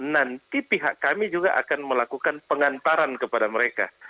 nanti pihak kami juga akan melakukan pengantaran kepada mereka